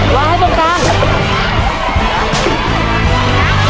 วางให้ตรงกลาง